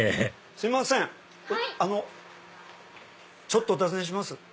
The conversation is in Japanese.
ちょっとお尋ねします。